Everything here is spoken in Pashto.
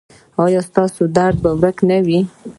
ایا ستاسو درد به ورک نه وي؟